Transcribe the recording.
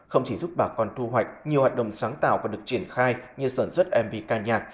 không chỉ giúp bà con thu hoạch nhiều hoạt động sáng tạo còn được triển khai như sản xuất mv ca nhạc